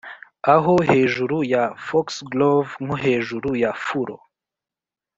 aho hejuru ya foxglove nko hejuru ya furo